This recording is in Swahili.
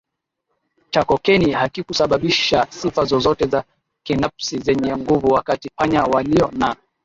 cha kokeni hakikusababisha sifa zozote za sinapsi zenye nguvu Wakati panya walio na